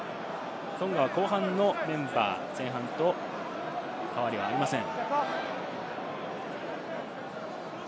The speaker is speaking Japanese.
トンガは後半のメンバーは前半と変わりありません。